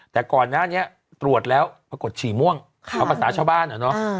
แต่ก่อนหน้านี้ตรวจแล้วปรากฏฉี่ม่วงเอาภาษาชาวบ้านอะเนาะ